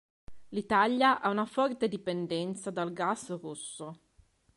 L'Italia ha una forte dipendenza dal gas russo.